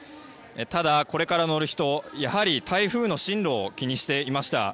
ただ、これから乗る人やはり台風の進路を気にしていました。